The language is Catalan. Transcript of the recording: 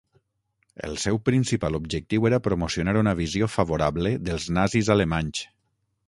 El seu principal objectiu era promocionar una visió favorable dels nazis alemanys.